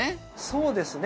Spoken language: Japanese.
そうですね。